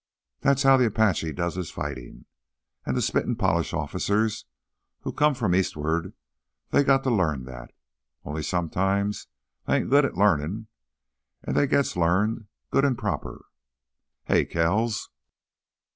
That's how th' 'Pache does his fightin'. An' th' spit an' polish officers what come from eastward—they's got t' larn that. Only sometimes they ain't good at larnin', an' then they gits larned—good an' proper. Hey, Kells!"